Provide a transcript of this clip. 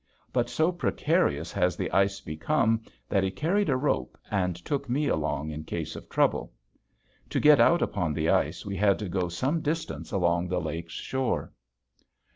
But so precarious has the ice become that he carried a rope and took me along in case of trouble. To get out upon the ice we had to go some distance along the lake's shore.